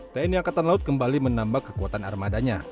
tni angkatan laut kembali menambah kekuatan armadanya